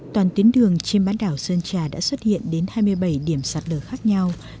toàn tuyến đường trên bán đảo sơn trà đã xuất hiện đến hai mươi bảy điểm sạt lở khác nhau